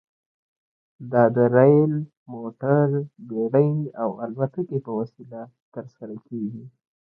دا د ریل، موټر، بېړۍ او الوتکې په وسیله ترسره کیږي.